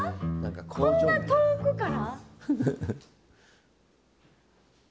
こんな遠くから？